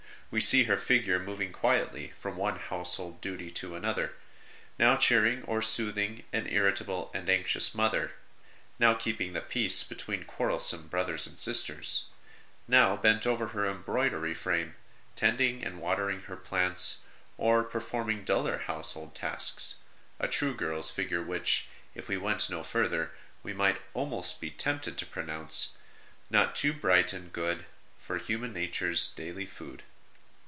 We see her figure moving quietly from one household duty to another; now cheer ing or soothing an irritable and anxious mother, now keeping the peace between quarrelsome brothers and sisters, now bent over her embroidery 78 PENITENTIAL PRACTICES OF HER GIRLHOOD 79 frame, tending and watering her plants, or per forming duller household tasks a true girl s figure which, if we went no further, we might almost be tempted to pronounce Not too bright and good For human nature s daily food.